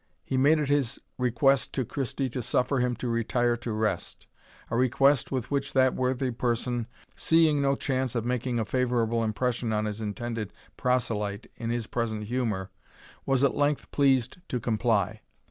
He made it his request to Christie to suffer him to retire to rest, a request with which that worthy person, seeing no chance of making a favourable impression on his intended proselyte in his present humour, was at length pleased to comply.